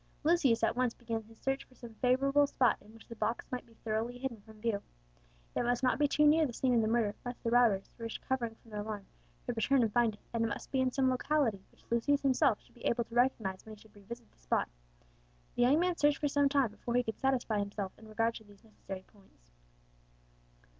Lucius at once began his search for some favourable spot in which the box might be thoroughly hidden from view. It must not be too near the scene of the murder, lest the robbers, recovering from their alarm, should return and find it; and it must be in some locality which Lucius himself should be able to recognize when he should revisit the spot. The young Englishman searched for some time before he could satisfy himself in regard to these necessary points.